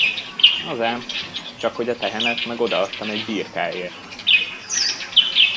Az ám, csakhogy a tehenet meg odaadtam egy birkáért!